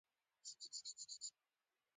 د مستقیې مداخلې عواقب هم